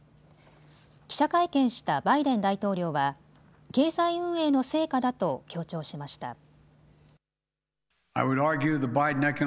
記者会見したバイデン大統領は経済運営の成果だと強調しました。